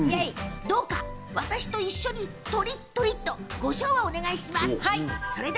どうか私と一緒にとりっとり！とご唱和お願いします。